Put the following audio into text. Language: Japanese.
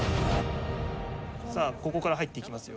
さあここから入っていきますよ。